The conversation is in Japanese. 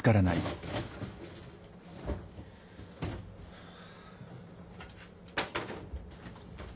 ハァ。